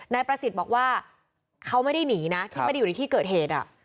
นายประสิทธิ์บอกว่าเขาไม่ได้หนีนะที่ไม่ได้อยู่ในที่เกิดเหตุ